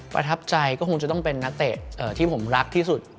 ประทับใจก็คงจะต้องเป็นนักเตะที่ผมรักที่สุด